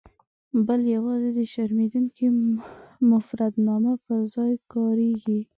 بل یوازې د شمېرېدونکي مفردنامه پر ځای کاریږي.